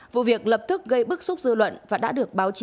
vụ việc lập tức gây bức xúc dư luận và đã được báo chí